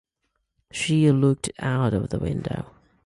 She looked out of the window.